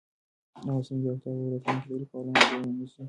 آیا مصنوعي ځیرکتیا به په راتلونکي کې د لیکوالانو ځای ونیسي؟